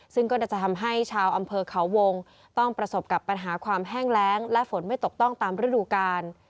ซึ่งก็จะทำให้ชาวอำเภอเขาวงต้องประสบกับปัญหาความแห้งแรงและฝนไม่ตกต้องตามฤดูกาล